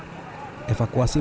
evakuasi membutuhkan perhubungan